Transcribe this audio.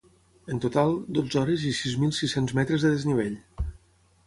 En total, dotze hores i sis mil set-cents metres de desnivell.